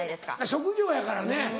職業やからね